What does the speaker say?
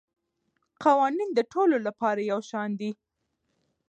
قوانین د ټولو لپاره یو شان دي.